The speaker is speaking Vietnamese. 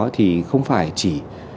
thì không phải chỉ